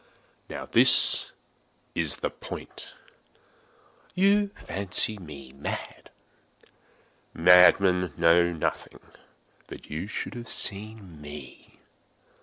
Now this is the point. You fancy me mad. Madmen know nothing. But you should have seen me.